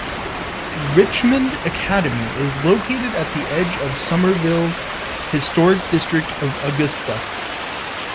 Richmond Academy is located at the edge of the Summerville historic district of Augusta.